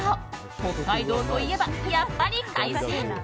北海道といえばやっぱり海鮮！